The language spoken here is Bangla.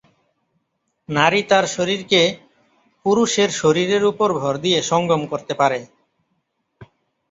নারী তার শরীরকে পুরুষের শরীরের উপর ভর দিয়ে সঙ্গম করতে পারে।